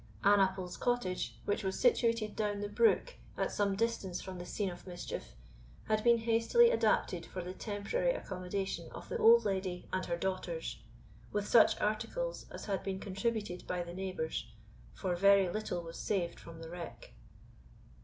Annaple's cottage, which was situated down the brook, at some distance from the scene of mischief, had been hastily adapted for the temporary accommodation of the old lady and her daughters, with such articles as had been contributed by the neighbours, for very little was saved from the wreck.